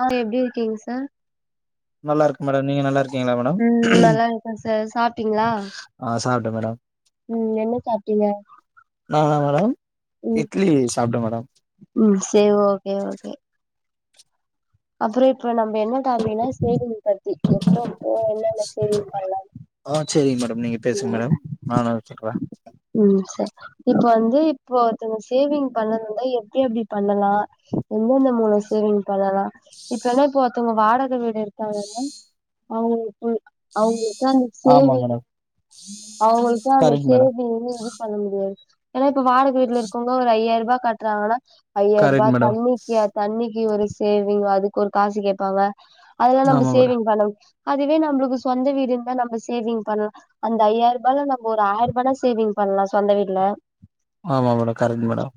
ஆ எப்டி இருக்கீங் சார். நல்லா இருக்கு மேடம் நீங்க நல்லா இருக்கீங்களா மேடம் ம் நல்லா இருக்கே சார் சாப்ட்டீங்களா ஆ சாப்ட்டே மேடம் ம் என்ன சாப்ட்டீங்க நானா மேடம் ம் இட்லி சாப்ட்டே மேடம் ம் சேரி ஓகே ஓகே அப்புறோ இப்ப நம்ம என்னட்டாபி னா சேதலி கத்தி ஆ சேரிங்க மேடம் நீங்க பேசுங்க ம் மேடம் நானு வச்சுக்கறே ம் சர் இப்ப வந்து இப்போ ஒருத்தங்க சேவிங் பண்ணது வந்து எப்டி அப்டி பண்ணலா எந்தெந்த மூலோ சேவிங் பண்ணலா இப்ப என்ன போத்தவங்க வாடக வீடு இருக்காங்கங்க அவ்ங்க ம் அவங்களுக்கா அந்த ஆமா சேவிங் மேடம் அவங்களுக்கா அந்த கரெக்ட் மேடம் சேவிங் எதுக் பண்ண முடியாது ஏன்னா இப்ப வாட வீட்டுல இருக்கோனா ஒரு ஐயாயிருபா கட்டுறாங்கனா ஐயாயிருபா கரெக்ட் மேடம் தண்ணிக்கி தண்ணிக்கு ஒரு சேவிங் அதுக்கு ஒரு காசு கேப்பாங்க அதெல்லா நம்ம ஆமா மேடம் சேவிங் பண்ணும் அதுவே நம்மளுக்கு சொந்த வீடு இருந்தா நம்ம சேவிங் பண்னு அந்த ஐய்யாருபால நம்ம ஒரு ஆய்ருபா தா சேவிங் பண்லா சொந்த வீட்ல ஆமா மேடம் கரெட் மேடம்.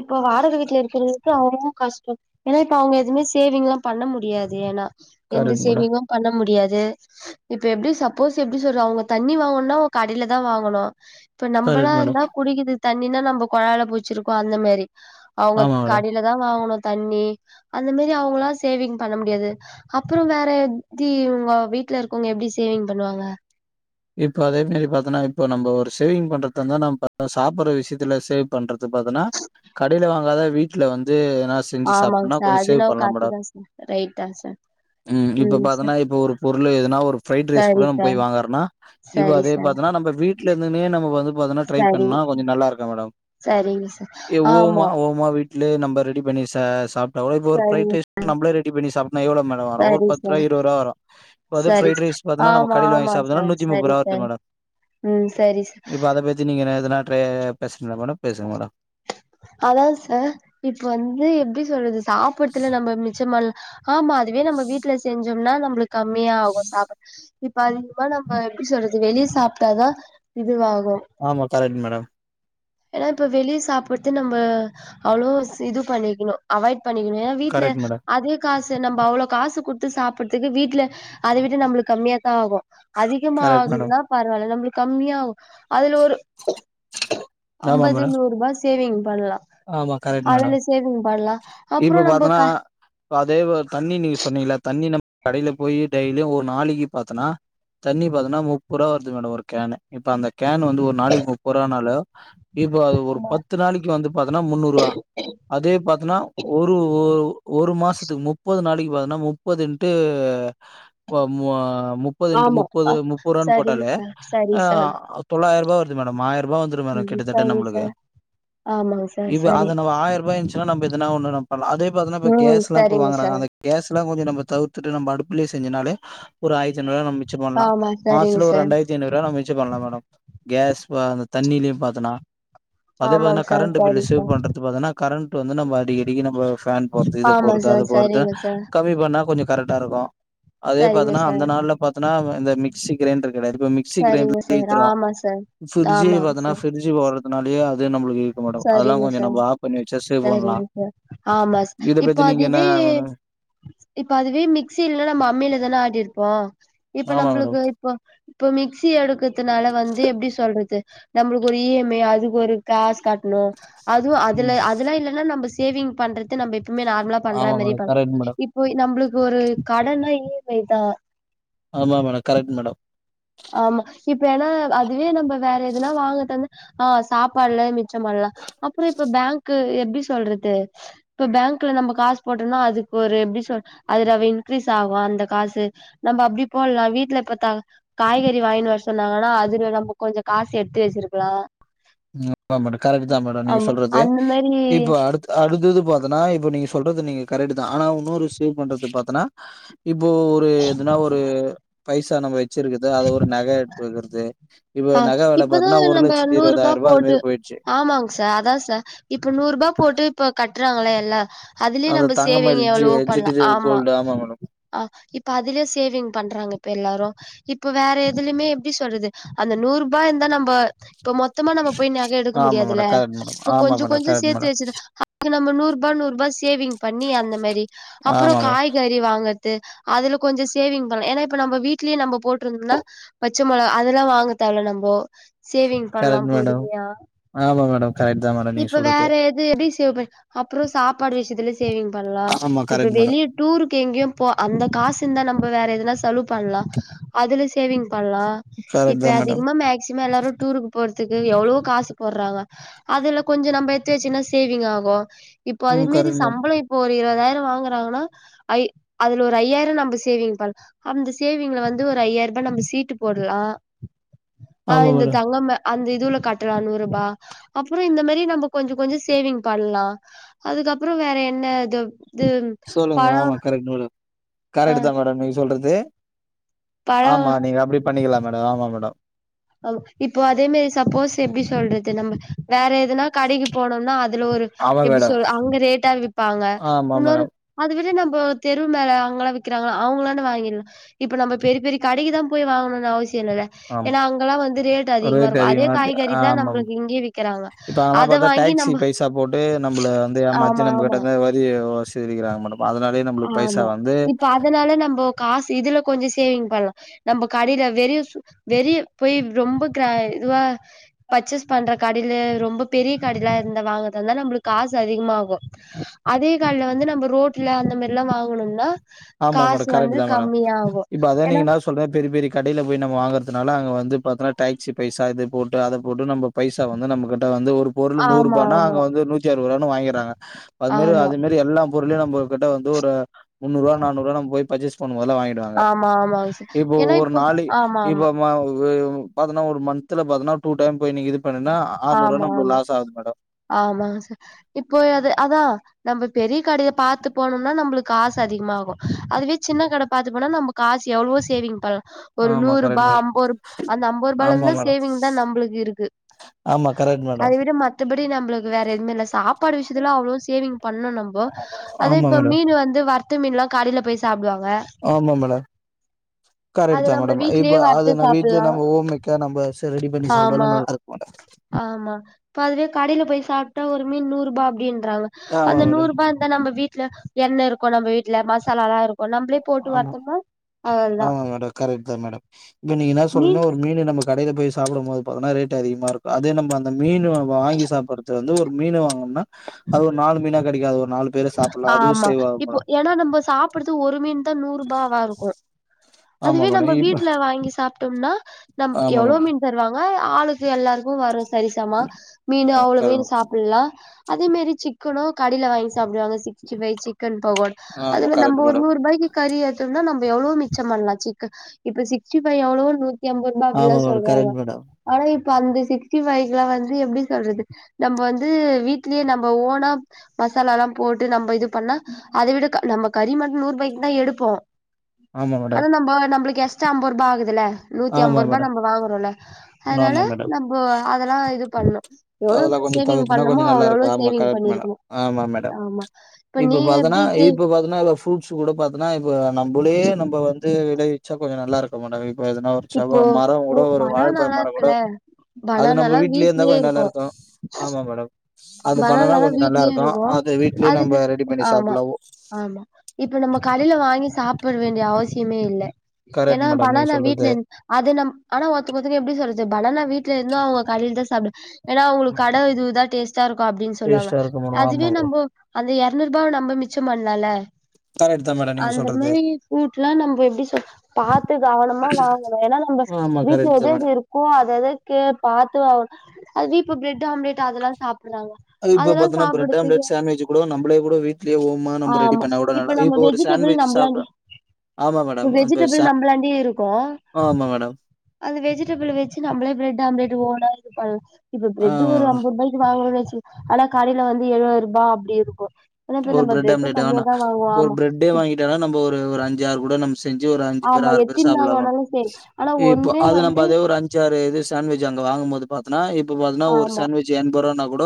இப்போ வாடாக வீட்டுல இருக்குறவங்களுக்கு அவங்களு கஷ்டோ ஏன்னா இப்ப அவங்க எதுமே சேவிங்ல்லா பண்ண முடியாது ஏன்னா எந்த கரெக்ட் மேடம் சேவிங்கு பண்ண முடியாது இப்ப எப்டி சப்போஸ் எப்டி சொல்ற அவ்ங்க தண்ணி வாங்கணுனா உ கடையில தா வாங்கணு இப்ப நம்மளா கரெக்ட் மேடம் இருந்தா குடிக்குது தண்ணினா நம்ம கொழலை பூச்சிருக்கோம் அந்த மேரி அவ்ங்க ஆமா மேடம் கடையில தான் வாங்கணும் தண்ணி அந்த மாரி அவங்களாம் சேவிங் பண்ண முடியாது அப்புறம் வேற எப்பிடி உங்க வீட்ல இருக்கவங்க எப்டி சேவிங் பண்ணுவாங்க. இப்போ அதே மேரி பாத்தனா இப்ப நம்ம ஒரு சேவிங் பண்றதுந்தான் நம்ப சாப்படுற விஷயத்துல சேவ் பண்றது பாத்தன்னா கடைலா வாங்காத வீட்ல வந்து எதுனா செஞ் ஆமாங்க சார் அது நான் காட்டுதா சார் ரைட் தா சார் ம் இப்ப பாத்தன்னா இப்ப ஒரு பொருளே எதுனா ஒரு ஃப்ரைட் ரைஸ் சரி கூட நம்ம சார் போய் வாங்கறனா இப்போ சரி அதே சார் பாத்தன்னா நம்ம வீட்ல இருந்துன்னே நம்ம வந்து பாத்தன்னா ட்ரை சரி பண்னா கொஞ்ச நல்லா இருக்கும் மேடம். சரிங்க சார் ஆமா மா வீட்ல நம்ப ரெடி பண்ணி சேஷ் சாப்ட்டா இப்ப ஒரு பிரைட் சரிங்க ரைஸ் நம்மளே ரெடி பண்ணி சாப்டா எவ்ளோ மேடம் வரும் ஒரு சரி பத்துரூவா சார் இருவது ரூவா வரும். இப்போ அது சரி பிரைட் சார் ரைஸ் பத்தினா நம்ம ஆமா கடைல வாங்கி ஆமா சாப்பிடுறதுனா சார் நூத்தி முப்பது சரி ரூவா வருது சார் மேடம் ம் சரி சார் இப்ப அத பத்தி நீங்கதுனட்ட பேசு மேடம் பேசுங்க மேடம் அதான் சார் இப்ப வந்து எப்டி சொல்றது சாப்படுறதுல நம்ம மிச்சம் பண்லா ஆமா அதுவே நம்ம வீட்ல செஞ்சோம்னா நம்மளுக்கு கம்மியாக ஆகும் சாப்ப இப்ப அதிகமா நம்ம எப்டி சொல்றது வெளிய சாப்பிட்டாதான் இதுவாகும் ஆமா கரெக்ட் மேடம். ஏன்னா இப்ப வெளிய சாப்படுது நம்ப அவ்ளோ இது பண்ணிக்கணும் அவாய்ட் பண்ணிக்குணும் ஏன்னா வீட்ல கரெக்ட் மேடம் அதே காசு நம்ப அவ்ளோ காசு குடுத்து சாப்டுறதுக்கு வீட்ல அத விட நம்மளுக்கு கம்மியா தான் ஆகும். அதிகமா கரெக்ட் மேடம் ஆகுதுன்னா பரவாயில்ல நம்மளுக்கு கம்மியாகும் அதுல ஒரு ஆமா அம்பது மேடம் நூறு ரூபா சேவிங் பண்லாம். ஆமா கரெக்ட் மேடம் அதுல சேவிங் பண்லாம் இப்ப அப்புறம் நம்ப பாத்தன்னா அதே தண்ணி நீங்க சொன்னீங்க தண்ணி நம்ம கடையில போய் டெய்லியும் ஒரு நாளிக்கு பாத்தோன்னா தண்ணி பாத்தன்னா முப்பது ரூபா வருது மேடம் ஒரு கேன் இப்ப அந்த கேன் வந்து ஒரு நாளைக்கு முப்பரூவானாலு இப்போ அது ஒரு பத்து நாளிக்கு வந்து பாத்தன்னா முன்னூறு ரூவா அதே பாத்தன்னா ஒரு ஒரு ஒரு மாசத்துக்கு முப்பது நாளைக்கு பாத்தன்னா முப்பது இன்டு வ மு முப் முப்பது இண்ட்உ ஆமா முப்பது அ முப்ப ரூவானு சரிங்க போட்டாலே சார் சரி அ சார் தொள்ளாயிரபா ரூபா வருது மேடம் ஆயிரபா வந்து மேடம் கிட்ட தட்ட நம்மளுக்கு ஆமா இப்ப அது நம் ஆயிரரூபா இருந்துச்சுா நம்ப எதன ஒன்னு நம் பண்லா அதே பாத்தன்னா இப்ப ம் கேஸ் ல்லாம் இப்ப சரிங்க வாங்கறாங்க சார் அந்த கேஸ் ல்லாம் கொஞ்சம் நம்ப தவிர்த்துட்டு நம்ப அடுப்புலயே செஞ்சனாலே ஒரு ஆயிரத்தி ஐநூரூபா மிச்ச பண்லா ஆமா சரிங்க மாசத்ல ஒரு சார் ரெண்டாயிரத் ஐநூரூபாய நம்ப மிச்ச பண்லா மேடம் கேஸ் அந்த தண்ணிலியும் பாத்தன்னா அதே ஆமாங் பாத்தன்னா கரண்ட் பில்சேவ் பண்றது பத்தேன்னா கரண்ட் வந்து நம்ப அடிக்கடிக்கு நம்ப ஃபேன் போறது இது ஆமா போறது அது சார் போறதுன்னு சரிங்க சார் க கம்மி பண்ணா கொஞ்சம் கரெக்டா இருக்கும். அதே சரிங்க பாத்தன்னா அந்த சார் நாள்ல பாத்தனா இந்த மிக்சி கிரைண்டர் கிடையாது இப்ப மிக்சி சரிங்க கிரைண்டர்லயே சார் ஈத்துரும் ஆமா சார் பிரிட்ஜூ ஆமா பாத்தேன்னா சார் பிரிட்ஜ்ஜு ஓடறது நாளயோ அதே நம்மளுக் இளுக்கும் மேடம் அதெல்லாம் சரிங்க கொஞ்சம் நம்ம சார் கொஞ்சம் ஆப் பண்ணி வெச்சா சேவ் சரிங்க பண்லாம் சார் ஆமா சார் இத இப்ப பத்தி நீங்க என்ன அதுவே மேடம் இப்ப அதுவே மிக்சி இல்லனா நம்ப அம்மில தானே ஆட்டிருப்போம் இப்ப ஆமா மேடம் நம்மளுக்கு இப்போ இப்ப மிக்சி எடுக்கதுனால வந்து எப்டி சொல்றது நம்மளுக்கு ஒரு இஎம்ஐ அதுக்கு ஒரு காஸ் காட்டணு ம் அதுவுஅதுல அதெல்லா இல்ல னா நம்ம சேவிங் பண்றது நம்ப எப்பவுமே நார்மலா பண்ற ஆமா மாதிரி மேடம் பண்ணு கரெக்ட் மேடம் இப் போ நம்பளுக்கு ஒரு கடன்னா இ எம் ஐ தா ஆமா மேடம் கரெக்ட் மேடம் ஆமா இப்ப ஏன்னா அதுவே நம்ப வேற எதுனா வாங்கதா இந்தா ஆ சாப்பாடுல மிச்சம் பண்லா அப்புறோ இப்ப பேங்க்கு எப்டி சொல்றது இப்ப பேங்க்ல நம்ம காசு போட்டோம்னா அதுக்கு ஒரு எப்படி சொல் அதுல ரவ இன்க்கிரீஸ் ஆகு அந்த காசு நம்ப அப்டி போடலா வீட்ல பத்தாங்க காய்கறி வாங்கின்னு வர சொன்னாங்கன்னா அதுல நம்ப கொஞ்சோ காசு எடுத்து வச்சிருக்கலா உ மேடம் கரெக்ட்டு தா மேடம் நீங்க சொல்றது அந்த மாரி இப்ப அடுத் அடுத்தது பாத்தனா இப்ப நீங்க சொல்றது நீங்க கரெக்ட்டு தா ஆனா இன்னொரு சேவ் பண்றது பாத்தனா இப்போ ஒரு எதுனா ஒரு பைசா நம்ம வச்சிருக்குது அத ஒரு நக எடுத்து வக்கிறது ஆ இப்பதா நம்ப நூறு ரூபா இருபதாயிரம் அது போட்டு மாரி போயிடுச்சு ஆமாங்க சார் அதா சார் இப்ப நூறு ரூபா போட்டு இப்ப கட்டுறாங்கள எல்லா அதுலயே அந்த நம்ப தங்கமயில் சேவிங் ஜி எவ்ளவோ பண்லா டிஜிட்டல் ஆமா கோல்டு மேடம் ஆ இப்ப அதுலயே சேவிங் பண்றாங்க இப்ப எல்லாரு இப்ப வேற எதுலயுமே எப்டி சொல்றது அந்த நூறு ரூபா இருந்தா நம்ப இப்ப மொத்தமா நம்ப போய் நக எடுக்க ஆமா முடியாதுல்ல மேடம் கரெக்ட் மேடம் இப்ப ஆமா கொஞ்சோ மேடம் கொஞ்சோ கரெக்ட் சேத்து மேடம் வச்சுதா அதுக்கு நம்ப நூறு ரூபா நூறு ரூபா சேவிங் பண்ணி அந்த மேரி அப்புறோ ஆமா மேடம் காய்க றி வாங்கறது அதுல கொஞ்சோ சேவிங் பண்ணலா ஏன்னா இப்ப நம்ப வீட்லயே நம்ப போட்டிருந்தோம்னா பச்ச மொளக அதெல்லா வாங்க தேவல நம்போ சேவிங் பண்லாம் கரெக்ட் மேடம் பொறுமையா ஆமா மேடம் கரெக்ட் தான் மேடம் நீங்க இப்ப வேற சொல்றது இது எப்டி சேவ் பண்ண அப்புறோ சாப்பாடு விஷயத்துல சேவிங் பண்லா ஆமா இப்ப கரெக்ட் மேடம் வெளிய டூருக்கு எங்கேயும் போ அந்த காசு இருந்தா நம்ப வேற எதனா செலவு பண்லா அதுல சேவிங் பண்லா கரெக்ட் தா இப்ப மேடம் அதிகமா மேக்சிமம் எல்லாரு டூருக்கு போறதுக்கு எவ்ளவோ காசு போடுறாங்க அதுல கொஞ்சோ நம்ப எத்து வச்சுன்னா சேவிங் ஆகு இப்போ ம் அதுமாரி கரெக்ட் மேடம் சம்பளோ இப்போ ஒரு இருபதாயிரோ வாங்குறாங்கன்னா ஐ அதுல ஒரு ஐயாயிரோ நம் சேவிங் பன்லா அந்த சேவிங்ல வந்து ஒரு ஐயாயிர ரூபா நம்ப சீட்டு போடலா அ ஆமா இந்த மேடம். தங்கம்ம அந்த இதுவுல கட்டலா நூறு ரூபா அப்புறோ இந்த மாரி நம்ப கொஞ்சோ கொஞ்சோ சேவிங் பண்லா அதுக்கப்புறோ வேற என்ன து இது பழோ கரெக்ட் மேடம் ஆ கரெக்ட்டு தா மேடம் நீங்க சொல்றது பழோ ஆமா நீங்க அப்டி பண்ணிக்கலா மேடம் ஆமா மேடம் ஆமா இப்போ அதே மாரி சப்போஸ் எப்டி சொல்றது நம்ப வேற எதுனா கடைக்கு போனோம்னா அதுல ஒரு ஆமா எப்டி மேடம் சொ அங்க ரேட்டா விப்பாங்க ஆமா மேடம் அத விட நம்ப தெருவு மேல அங்கல்லா விக்கறாங்களா அவுங்களான்ட வாங்கிடலா இப்ப நம்ப பெரிய பெரிய கடைக்கு தா போய் வாங்கணுன்னு அவசியோ இல்லல ஆமா ரேட்டு அதே அதிகமாட்டி காய்கறி ஆ தா ஆமா நம்மளுக்கு இங்கேயே விக்கிறாங்க இப்ப அதெல்லா அத பாத்தா வாங்கி டாக்சி நம்ம பைசா போட்டு டு நம்பள வந்து ஏமாத்தி ஆமா நம்ப ஆமா கிட்டக்க வரி வசிருக்கிறாங்க மேடம் அதனால ஆமா இப்ப அதனால நம்போ காசு இதுல கொஞ்சோ சேவிங் பண்லா நம்ம கடையில வெறியு வெறிய போய் ரொம்ப கிரா இதுவா பர்ச்சேஸ் பண்ற கடைல ரொம்ப பெரிய கடைலா இருந்த வாங்கதுந்தா நம்பளுக்கு காசு அதிகமாகு அதே கடைல்ல வந்து நம்ம ரோட்ல அந்த மாரில்லா வாங்கணோம்னா ஆமா மேடம் கரெக்ட்டு தா மேடம் இப்ப அதா ஏனா நீங்க என்னா சொல்ற பெரிய பெரிய கடைல போய நம்ம வாங்கறதுனால அங்க வந்து பாத்துனா டாக்சி பைசா இது போட்டு அத போட்டு நம்ம பைசா வந்து நம்ம கிட்ட வந்து ஒரு பொருள் ஆமா நூறுபானா ஆமா அங்க வந்து நூத் தி அறுவது ரூவானு வாங்கிறாங்க அது மரி ஆமா அதுமாரி எல்லா பொருளையு நம்ம கிட்ட வந்து ஒரு முன்னூறுவா நானூறுவா நம்ம போய் பர்ச்சஸ் பண்ணுவோ அதுல வாங்கிடுவாங்க ஆமா ஆமாங் சார் இப்போ ஏனா ஒரு நாளை ஆமா ஆமா இப்போ ம வு பதுனோரு மந்த்ல பாத்தனா டூ டைம் போய் நீ இது பண்ணனா ஆறுநூறுவா ஆமா நம்மளுக்கு லாஸ் ஆகுது மேடம் ஆமா ச இப்ப அது அதா நம்ம பெரிய கடைய பாத்து போனம்னா நம்பளுக் காசு அதிகமாகு அதுவே சின்ன கடை பாத்து போனா நம்ம காசு எவ்வளவோ சேவிங் பண்ணலா ஒரு ஆமா நூறுபா கரெக்ட் மேடம். அம்போரூ அந்த அம்போ ரூபால ஆமா இருந்தா மேடம். சேவிங் தா நம்பளுக்கு இருக்கு ஆமா கரெட்டு தா அதை விட மத்தபடி நம்ளுக்கு வேற எதுமே இல்ல சாப்பாடு விஷயத்துல அவ்வளவு சேவிங் பண்ணு நம்ப அதே ஆமா இப்ப மேடம். மீன் வந்து வற்த்த மீன்ல்லா கடைல போய் சாப்டுவாங்க ஆமா மேடம் கரெக்ட் அது தா நம்ம மேடம் வீட்லயே இப்ப அது வறுத்து நா வீட்ல சாப்டலா நம்ம ஓன் மேக்கா நம்ம ரெடி பண்ணி சாப்ட ஆமா நல்லா இருக்கு உட ஆமா இப்ப அதுவே கடைல போய் சாப்ட்டா ஒரு மீன் நூறுபா அப்டின்றாங்க ஆமா அந்த நூறு மேடம் ரூபா இருந்தா நம்ம வீட்ல எண்ணெ இருக்கு நம்ம வீட்ல மசாலால்லா இருக் இருக்கும் ஆமா ஆமா மேடம் கரெக்ட் தா மேடம் இப்ப நீங்க என்ன சொல்னா ஒரு மீன் நமக்கு கடையில போய் சாப்டும் போது பாத்தீனா ரேட்டு அதிகமா இருக்கு அதே நம்ம அந்த மீனு வாங்கி சாப்பறது வந்து ஒரு மீனு வாங்கும்னா அது ஒரு நாலு மீனா கடைக்கது ஒரு நாலு பேரு சாப்டலாம் அதுவும் ஆமா சேவ் ஆகும் இப்போ மேடம் ஏனா நம்ம சாப் பிடது ஒரு மீன் தா நூறுபாவா இருக்கு ஆமா அதுவே நம்ம மேடம் இப்ப வீட்டுல வாங்கி சாப்ட்டம்னா நம் ஆமா எவ்வளோ மேடம் மீன் தருவாங்க ஆளுக்கு எல்லாருக்கு வரு சரிசமா மீனு ஆ அவ்வளோ மீனு கரெக்ட் சாப்பிட்லா அதே மாரி சிக்கனு கடைல வாங்கி சாப்டுவாங்க சிக்ஸ்டி பைவ் சிக்கன் பகோட் ஆமா அதுல நம்ப கரெக்ட் ஒரு மேடம் நூறுபாய்க்கு கறி எத்து வந்தா நம்ப எவ்ளோ மிச்சோ பண்லா சிக்கன் இப்ப சிக்ஸ்டி பைவ் எவ்வளோ எம்பரூபா ஆமா அப்டில்லா மேடம் சொல்றாங்க கரெக்ட் மேடம் ஆனா இப்ப அந்த சிக்ஸ்டி ஃபைவ்லா வந்து எப்டி சொல்றது நம்ப வந்து வீட்லயே நம்ப ஓனா மசாலாலா போட்டு நம்ப இது பண்ணா அத விட நம்ம கறி மட்டு நூறுபாய்க்கு தா எடுப்போ ஆமா ஆனா மேடம் நம்ப நம்மளுக்கு எஸ்ட்டா அம்பரூபா ஆகுதுல்ல நூத்தி ஆமா அம்பரூபா மேடம் நம்ப வாங்குறோல்ல அதனால ஆமா மேடம் நம்போ அதெல்லா இது பண்ணு அதெல்லாம் எவ்ளோக்கு கொஞ்சம் சேவிங் தவிர்த்துனா பண்ணுமோ கொஞ்சம் நல்லா அவ்ளோ இருக்கு அவ்ளோ ஆமா சேவிங் கரெக்ட் மேடம் பண்ணியிருக்கணு ஆமா மடம் இப்ப பாத்தன்னா எப்டி சே இப்ப பாத் ன்னா ப்ரூட்ஸ் கூட பாத்தன்னா இப்ப நம்பளே நம்ப வந்து ஏதோ விச்சா கூட கொஞ்சோ நல்லா இருக்கு மேடம் இப்ப எதுனா ஒரு சவ இப்போ மரோ ஓ கூட ஒரு வாழப்பழ பனானாலா மரோ கூட இருக்குல்ல அது நம்ப பனானாலா வீட்லே இருந்தா வீட்லயே கொஞ்சோ நல்லா இருக்கு ஆமா மடம் அது பண்ணன்னா பனானாலா கொஞ்சோ நல்லா வீட்லயே இருக்கு அது வீட்லயே அதுக்கு நம்ப ரெடி பண்ணி ஆமா சாப்பிட்லா ஒ ஆமா இப்ப நம்ம கடையில வாங்கி சாப்பிட வேண்டிய அவசியமே இல்ல ஏனா கரெக்ட் மேடம் நீங்க பனானா வீட்ல சொல்றது இருந் அது நம் ஆனா ஒருத்த ஒருத்தருக்கு எப்டி சொல்றது பனனா வீட்ல இருந்தா அவங்க கடையில தா சாப்ட ஏனா அவங்களுக்கு கட இது இதாட் ச்சோ இருக்கு அப்டின்னு சொல்லுவாங்க டேஸ்டா இருக்கும் மேடம் ஆமா அதுவே மேடம். நம்போ அந்த எரநூறு ரூபாவ நம்ம மிச்சம் பண்லாம்ல்ல கரெட்டு தா மேடம் நீங்க அந்த சொல்றது மாரி ஃப்ரூட்லா நம்ப எப்டி சாப்ட்டு வாழணுமா வாழக்கூடாதா ஏனா நம்ப ஆமா கரக்ட்டு மேடம் ஓ அத எதுக்கே பாத்து அதுவே இப்ப ப்ரெட் ஆம்லெட் அதெல்லா சாப்புறாங்க அது இப்ப பாத்தன்னா ப்ரட் ஆம்லட் சண்ட்விச் கூட நம்ளே கூட வீட்லேயே ஓமா நம்ம ரெடி ஆமா பண்ண கூட இப்ப நம்ம ஒரு வெஜிடபிள் சாண்ட்விச் சாப்பிட்டா நம்மளாண்டி ஆமா இப்ப மேடம் வெஜிடபிள் சா நம்மளாண்டி இருக்கு ஆமா மேடம் அந்த வெஜிடபிள் வச்சு நம்மளே பிரட் ஆம்லெட் ஓனா இது பண் இப்ப பிரெட்டு் ஆமா ஒரு ஐம்பது ரூபாய்க்கு வாங்கணும்னச்சு ஆனா கடையில வந்து எழபது ரூபா அப்டி இருக்கு ஆனா இப்ப ஒரு நம்ம பிர்ரெட் பிரெட் ஆம்லேட் கம்மியா வேணா தா வாங்குவோ ஒரு ஆமா பிரட்டே வாங்கிட்டனா நம்ம ஒரு அஞ்ச ஆறு கூட நம் செஞ்சு ஒரு அஞ்சு பேர் ஆமா ஆறு பேர் எத்தின் நாள் சாப்பலா மேம் வேணாலு சரி ஆனா இப்ப ஒண்ணே அது நம் பா வந்து ஒரு அஞ் சாறு இது சேண்ட்விச் அங்க வாங்கும் போது பாத்தன்னா இப்ப பாத்தன்னா ஒரு ஆமா சேண்ட்விச் எண்பது ரூபானாக் கூட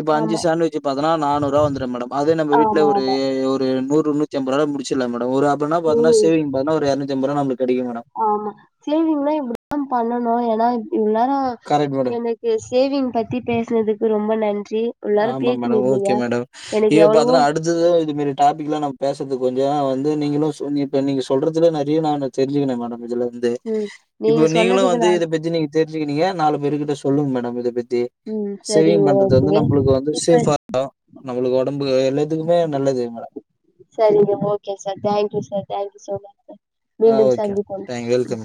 இப்ப அஞ்சு ஆமா சேண்ட்விச் பாத்தன்னா நானூரூவா வந்துரு மேடம் அதே நம்ம வீட்ல ஆமா ஒரு ஆமா ஒரு நூறு நூத் த்தி அம்ப ரூபால முடிச்சிட்லா மேடம் ஒரு அப்பன்னா பாத்தன்னா ஒரு ம் சேவிங் பாத்தன்னா ஒரு இரணூத்தி ஐப்பது ரூபா நமக்கு கெடைக்கும் மேடம் ஆமா சேவிங்னா இப்படி தா பண்ணனு ஏன்னா எல்லாரு கரெக்ட் மேடம் எனக் கு சேவிங் பத்தி பேசனதுக்கு ரொம்ப நன்றி உள்ளார ஆமா மேடம் பேசினுருந்திங்க ஓகே மேடம் எனக்கு இது எவ்வளவோ பாத்தன்னா அடுத்தது இதுமாறி டாபிக்ல்லா நா பேசுறது கொஞ்ச வந்து நீங்களு சு இப்ப நீங்க சொல்றதுல நெறைய நானு தெரிஞ்சுக்குனே மேடம் இதுல இருந்து ம் இப்போ நீங்க நீங்களு சொன்னதுக்கு வந்து நா இத பத்தி நீங் தெரிஞ்சுக்கினிங்க நாலு பேரு கிட்ட சொல்லுங்க மேடம் இத பத்தி ம் சரி சேவிங் பண்றது வந்து ஓகே நம் உங்களுக்கு வந்து இப்ப சேஃப்பா இருந்தா நம்மளுக்கு உடம்பு எல்லாத்துக்குமே நல்லது மேடம் சரிங்க okay sir thank you sir thank you so much ஆ மீண்டும் ஓகே. சந்திப்போம் தேங்க் ம் வெல்கம்.